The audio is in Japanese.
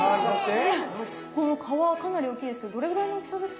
この皮かなり大きいですけどどれぐらいの大きさですかね？